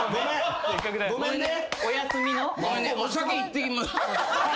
ごめんね。